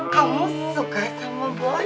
kamu suka sama boy